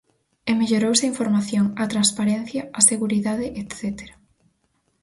E mellorouse a información, a transparencia, a seguridade etcétera.